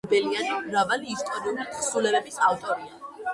სტეფანოს ორბელიანი მრავალი ისტორიული თხზულების ავტორია.